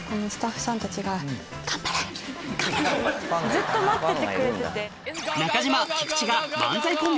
ずっと待っててくれてて。